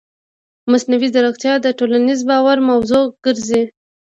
مصنوعي ځیرکتیا د ټولنیز باور موضوع ګرځي.